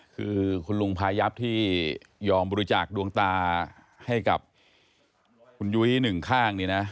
คือคุณลุงพายับที่ยอมบริจาคดวงตาให้กับคุณยุ้ยหนึ่งข้างนี่นะ